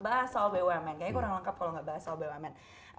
bahas soal bumn kayaknya kurang lengkap kalau nggak bahas soal bumn